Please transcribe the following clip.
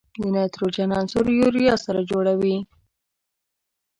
د نایتروجن عنصر یوریا سره جوړوي.